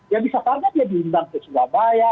ya bisa ternyata dia diimbang ke surabaya